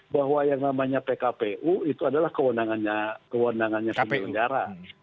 bahwa yang namanya pkpu itu adalah kewenangannya penduduk kendaraan